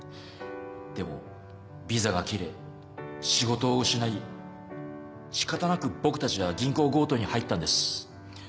でもビザが切れ仕事を失い仕方なく僕たちは銀行強盗に入ったんです。